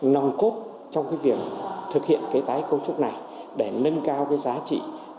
nong cốt trong việc thực hiện tái cấu trúc này để nâng cao giá trị đặc sản